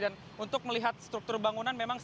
dan untuk melihat struktur bangunan